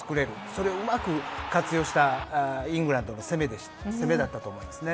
それをうまく活用したイングランドの攻めだったと思います。